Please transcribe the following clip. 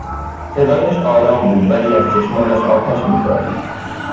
صدایش آرام بود ولی از چشمانش آتش میبارید.